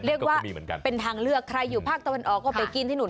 เรียกว่าเป็นทางเลือกใครอยู่ภาคตะวันออกก็ไปกินที่นู่น